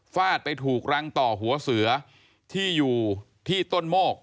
ไปถูกรังต่อหัวเสือที่อยู่ที่ต้นโมก